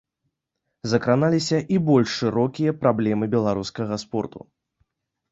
Закраналіся і больш шырокія праблемы беларускага спорту.